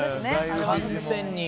完全に。